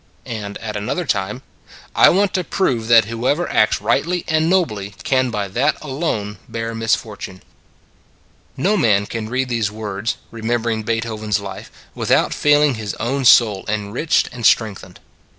And at another time : Would You Be Great? 109 I want to prove that whoever acts rightly and nobly can by that alone bear misfortune. No man can read these words, remem bering Beethoven s life, without feeling his own soul enriched and strengthened.